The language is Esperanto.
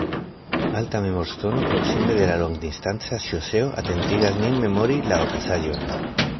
Alta memorŝtono proksime de la longdistanca ŝoseo atentigas nin memori la okazaĵon.